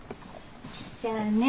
じゃあね。